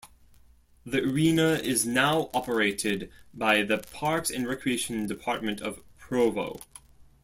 The arena is now operated by the Parks and Recreation Department of Provo.